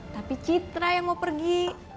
tapi citra yang mau pergi